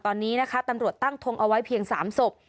ตอนนี้นะคะตำรวจตั้งทงเอาไว้เพียง๓ศพ